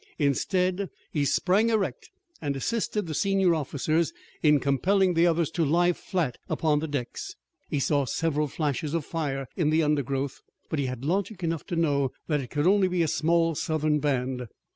Instead he sprang erect and assisted the senior officers in compelling the others to lie flat upon the decks. He saw several flashes of fire in the undergrowth, but he had logic enough to know that it could only be a small Southern band.